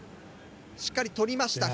しっかり取りました。